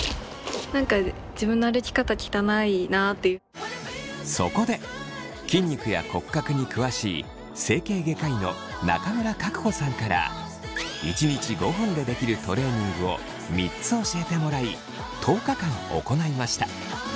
何かそこで筋肉や骨格に詳しい整形外科医の中村格子さんから１日５分でできるトレーニングを３つ教えてもらい１０日間行いました。